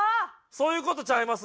そういう事ちゃいます？